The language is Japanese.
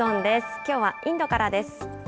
きょうはインドからです。